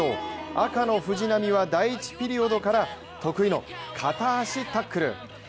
赤の藤波は第１ピリオドから得意の片足タックル。